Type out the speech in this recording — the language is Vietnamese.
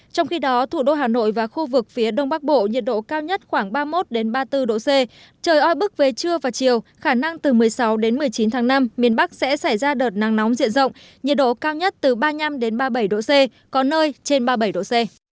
trong khi đó thủ đô hà nội và khu vực phía đông bắc bộ nhiệt độ cao nhất khoảng ba mươi một ba mươi bốn độ c trời oi bức về trưa và chiều khả năng từ một mươi sáu đến một mươi chín tháng năm miền bắc sẽ xảy ra đợt nắng nóng diện rộng nhiệt độ cao nhất từ ba mươi năm ba mươi bảy độ c có nơi trên ba mươi bảy độ c